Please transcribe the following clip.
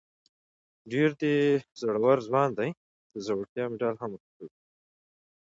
دی ډېر زړور ځوان دی، د زړورتیا مېډال هم ورکوي.